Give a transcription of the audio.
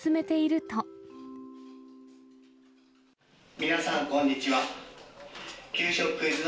皆さん、こんにちは。